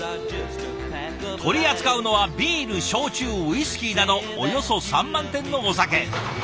取り扱うのはビール焼酎ウイスキーなどおよそ３万点のお酒。